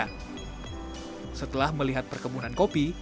semakin banyak orang melihat perkebunan kopi